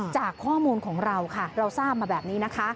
จากข้อมูลของเราค่ะเราทราบมาแบบนี้นะคะ